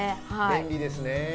便利ですね。